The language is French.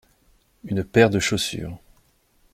Une paire de chaussures.